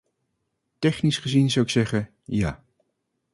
Technisch gezien zou ik zeggen 'ja'.